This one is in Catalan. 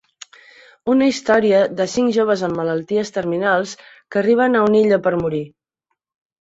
Una història de cinc joves amb malalties terminals que arriben a una illa per morir.